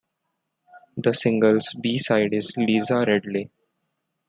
The single's B-side is "Liza Radley".